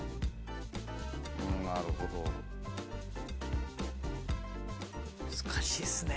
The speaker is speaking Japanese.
・なるほど・難しいですね。